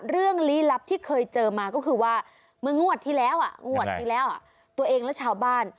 เรื่องลี้ลับที่เคยเจอมาก็คือว่าเมื่องวดที่แล้วตัวเองและชาวบ้าน